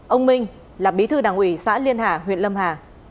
ông minh là bí thư đảng ủy xã liên hà huyện lâm hà